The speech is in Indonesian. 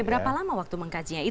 berapa lama waktu mengkajinya